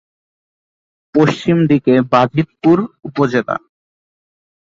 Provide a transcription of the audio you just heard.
পশ্চিম দিকে বাজিতপুর উপজেলা।